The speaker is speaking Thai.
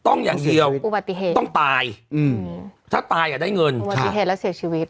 ต้องอย่างเดียวอุบัติเหตุต้องตายอืมถ้าตายอ่ะได้เงินอุบัติเหตุแล้วเสียชีวิต